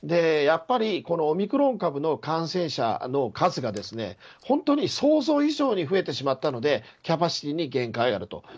やっぱり、オミクロン株の感染者の数が本当に想像以上に増えてしまったのでキャパシティーに限界があると。